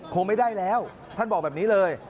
คงไม่ได้แล้วท่านบอกแบบนี้เลย